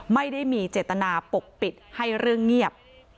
ไม่ได้มีเจตนาปกปิดให้เรื่องเงียบ